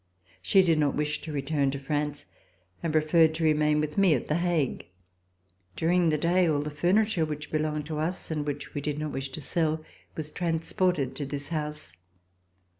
She did not wish to return to France and preferred to remain with me at The Hague. During the day all the furni ture which belonged to us, and which we did not wish to sell, was transported to this house.